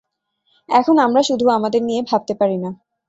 এখন আমরা শুধু আমাদের নিয়ে ভাবতে পারি না।